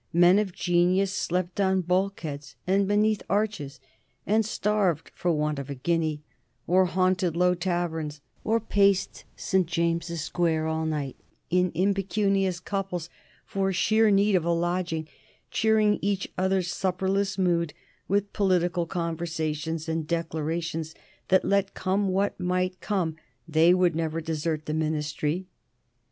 Men of genius slept on bulkheads and beneath arches, and starved for want of a guinea, or haunted low taverns, or paced St. James's Square all night in impecunious couples for sheer need of a lodging, cheering each other's supperless mood with political conversations and declarations that, let come what might come, they would never desert the Ministry.